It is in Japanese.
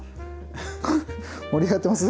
盛り上がってます？